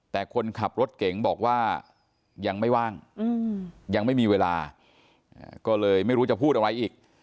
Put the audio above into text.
แต่คนขับรถเก๋งบอกว่ายังไม่ว่างยังไม่มีเวลาก็เลยไม่รู้จะพูดอะไรอีก